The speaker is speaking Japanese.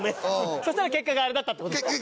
そしたら結果があれだったって事か。